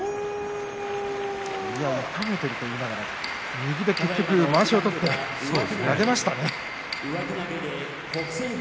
右を痛めているといいながら右で結局まわしを取って投げましたね。